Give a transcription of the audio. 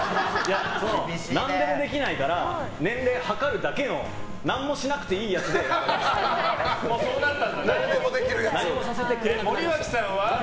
何にもできないから年齢測るだけの何もしなくていいやつで選ばれました。